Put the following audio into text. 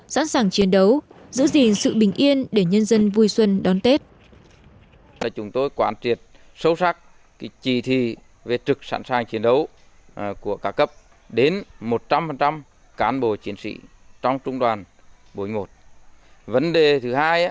sẵn sàng chiến đấu giữ gìn sự bình yên để nhân dân vui xuân đón tết